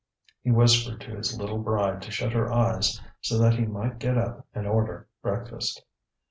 He whispered to his little bride to shut her eyes so that he might get up and order breakfast.